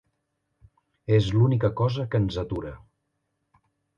És l'única cosa que ens atura.